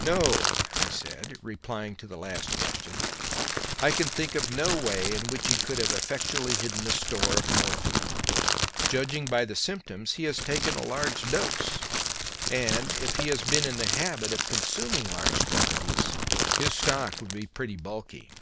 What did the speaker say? "No," I said, replying to the last question; "I can think of no way in which he could have effectually hidden a store of morphine. Judging by the symptoms, he has taken a large dose, and, if he has been in the habit of consuming large quantities, his stock would be pretty bulky.